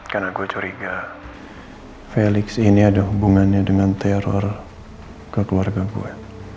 karena gue curiga felix ini ada hubungannya dengan teror ke keluarga gue